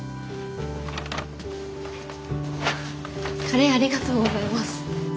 カレーありがとうございます。